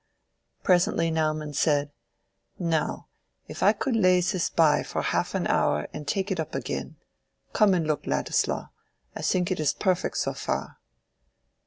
Presently Naumann said—"Now if I could lay this by for half an hour and take it up again—come and look, Ladislaw—I think it is perfect so far."